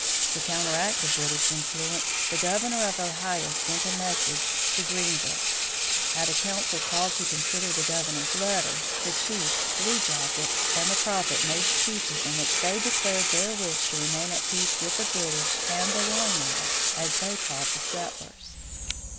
To counteract the British influence the Governor of Ohio sent a message to Greenville. At a council called to consider the Governor's letter, the chief, Blue Jacket, and the Prophet made speeches in which they declared their wish to remain at peace with the British and the Long Knives, as they called the settlers.